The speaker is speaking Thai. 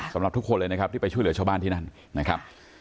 สำหรับทุกคนเลยนะครับที่ไปช่วยเหลือชาวบ้านที่นั่นนะครับ